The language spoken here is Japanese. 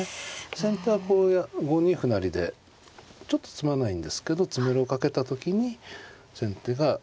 先手はこう５二歩成でちょっと詰まないんですけど詰めろかけた時に先手が詰むかどうか。